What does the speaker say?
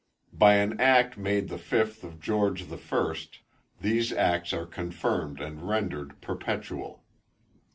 By an act made the fifth of George the First, these acts are confirmed and rendered perpetual.